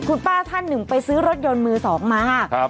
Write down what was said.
คุณป้าท่านหนึ่งไปซื้อรถยนต์มือสองมา